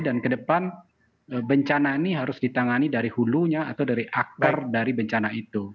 dan ke depan bencana ini harus ditangani dari hulunya atau dari akar dari bencana itu